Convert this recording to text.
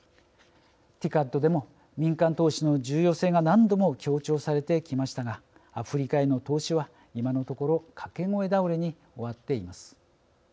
ＴＩＣＡＤでも民間投資の重要性が何度も強調されてきましたがアフリカへの投資は今のところ掛け声倒れに終わっています。